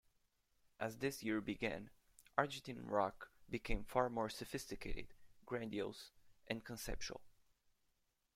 As this year began, Argentine rock became far more sophisticated, grandiose, and conceptual.